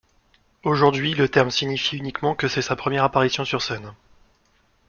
Aujourd'hui le terme signifie uniquement que c'est sa première apparition sur scène.